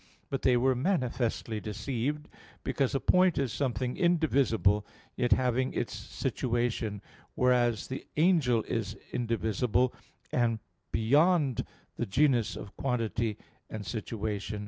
But they were manifestly deceived, because a point is something indivisible, yet having its situation; whereas the angel is indivisible, and beyond the genus of quantity and situation.